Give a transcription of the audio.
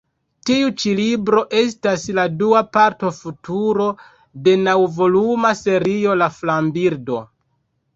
Tiu ĉi libro estas la dua parto Futuro de naŭvoluma serio La flambirdo.